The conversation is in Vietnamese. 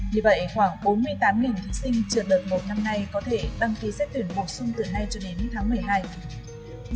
như vậy khoảng bốn mươi tám thí sinh trượt đợt một năm nay có thể đăng ký xét tuyển bổ sung từ nay cho đến tháng một mươi hai